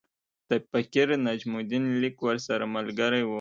د فقیر نجم الدین لیک ورسره ملګری وو.